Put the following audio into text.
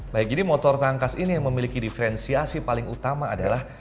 baik jadi motor tangkas ini yang memiliki diferensiasi paling utama adalah